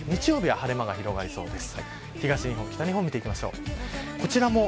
日曜日は晴れ間が広がりそうです。